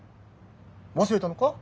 忘れたのか？